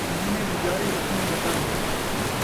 کمینے دی یاری ، وٹھوئیں دا ݙن٘گ